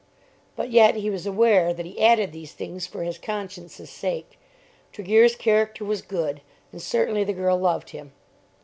But yet he was aware that he added these things for his conscience's sake. Tregear's character was good, and certainly the girl loved him.